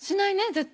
絶対。